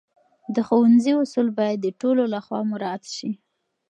د ښوونځي اصول باید د ټولو لخوا مراعت سي.